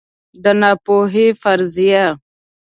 د ناپوهۍ فرضیه